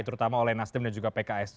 terutama oleh nasdem dan juga pks